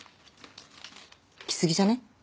来過ぎじゃね？